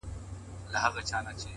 ما درته وژړل ستا نه د دې لپاره